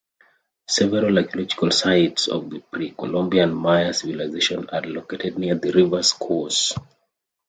Several archaeological sites of the pre-Columbian Maya civilization are located near the river's course.